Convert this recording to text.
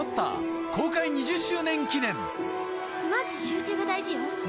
まず集中が大事よ。